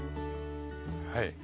はい。